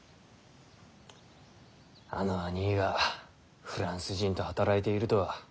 あのあにぃがフランス人と働いているとは。